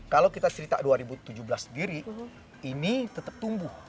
kalau kita cerita dua ribu tujuh belas sendiri ini tetap tumbuh